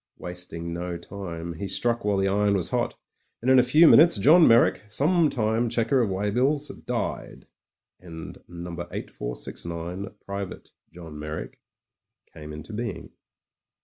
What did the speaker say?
Wasting no time, he struck while the iron was hot, and in a few minutes Johii Meyrick, sometime checker of weigh bills, died, and No. 8469, Private John Meyrick, came into being.